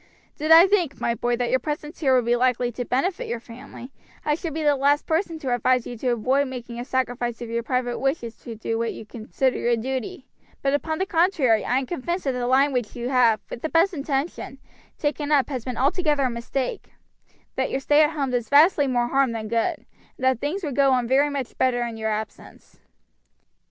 "Did I think, my boy, that your presence here would be likely to benefit your family I should be the last person to advise you to avoid making a sacrifice of your private wishes to what you consider your duty; but upon the contrary I am convinced that the line which you have, with the best intention, taken up has been altogether a mistake, that your stay at home does vastly more harm than good, and that things would go on very much better in your absence."